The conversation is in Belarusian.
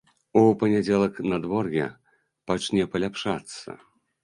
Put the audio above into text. У панядзелак надвор'е пачне паляпшацца.